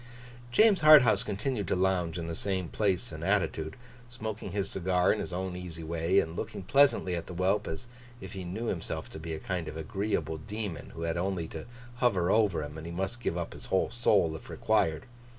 James Harthouse continued to lounge in the same place and attitude, smoking his cigar in his own easy way, and looking pleasantly at the whelp, as if he knew himself to be a kind of agreeable demon who had only to hover over him, and he must give up his whole soul if required.